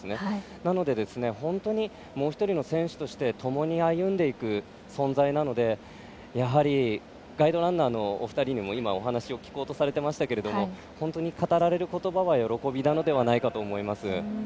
なので、本当にもう１人の選手としてともに歩んでいく存在なのでやはりガイドランナーのお二人にも聞いていましたけれども本当に語られる言葉は喜びなのではないかなと思います。